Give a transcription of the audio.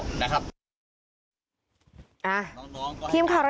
เมื่อวานแบงค์อยู่ไหนเมื่อวาน